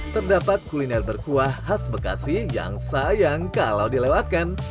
terdapat kuliner berkuah khas bekasi yang sayang kalau dilewatkan